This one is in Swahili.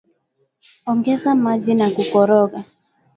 ongeza maji na kukoroga